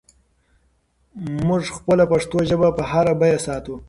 موږ خپله پښتو ژبه په هره بیه ساتو.